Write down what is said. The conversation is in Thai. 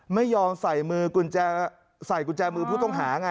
ไม่ยอมใส่มือกุญแจใส่กุญแจมือผู้ต้องหาไง